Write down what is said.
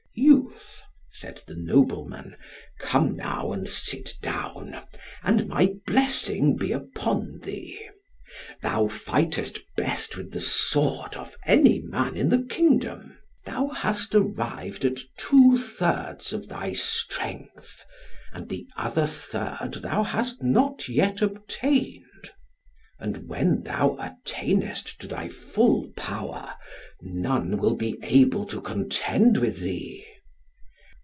"Youth," said the nobleman, "come now, and sit down, and my blessing be upon thee. Thou fightest best with the sword of any man in the kingdom. Thou hast arrived at two thirds of thy strength, and the other third thou hast not yet obtained; and when thou attainest to thy full power, none will be able to contend with thee.